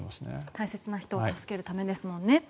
大切な人を助けるためですもんね。